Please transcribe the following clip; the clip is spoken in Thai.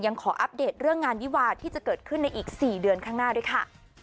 ขออัปเดตเรื่องงานวิวาที่จะเกิดขึ้นในอีก๔เดือนข้างหน้าด้วยค่ะ